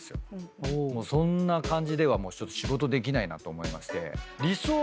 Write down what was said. もうそんな感じではちょっと仕事できないなと思いまして。